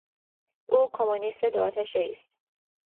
او کمونیست دو آتشهای است.